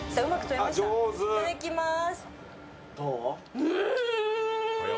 いただきまーす。